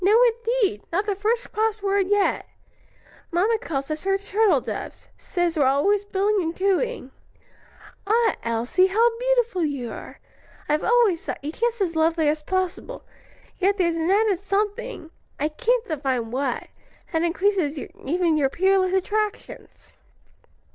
"No indeed! not the first cross word yet. Mamma calls us her turtle doves: says we're always billing and cooing. Ah, Elsie, how beautiful you are! I've always thought you just as lovely as possible, yet there's an added something I can't divine what that increases even your peerless attractions."